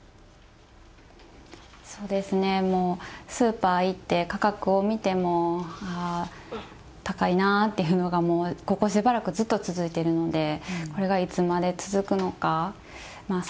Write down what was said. そうですねもうスーパー行って価格を見てもああ高いなっていうのがここしばらくずっと続いているのでこれがいつまで続くのか。